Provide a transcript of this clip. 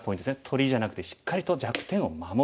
取りじゃなくてしっかりと弱点を守る。